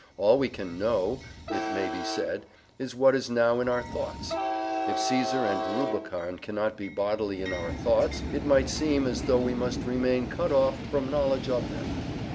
All we can "know," it may be said, is what is now in our thoughts. If Caesar and the Rubicon cannot be bodily in our thoughts, it might seem as though we must remain cut off from knowledge of them.